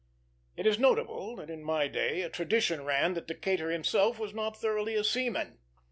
It is notable that in my day a tradition ran that Decatur himself was not thoroughly a seaman.